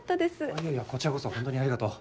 いやいやこちらこそホントにありがとう。